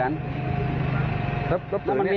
ท่านดูเหตุการณ์ก่อนนะครับ